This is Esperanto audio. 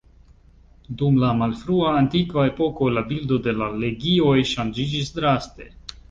Dum la malfrua antikva epoko la bildo de la legioj ŝanĝiĝis draste.